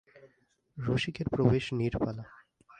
রসিকের প্রবেশ নীরবালা।